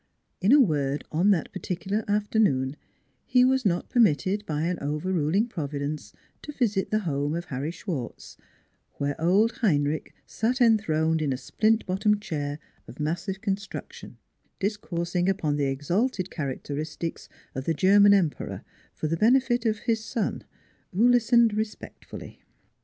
In a word, on that par ticular afternoon, he was not permitted by an overruling Providence to visit the home of Harry Schwartz where old Heinrich sat enthroned in a splint bottomed chair of massive construction, discoursing upon the exalted characteristics of the German Emperor for the benefit of his son, who listened respectfully.